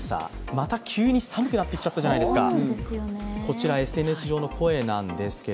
また急に寒くなっちゃったじゃないですか。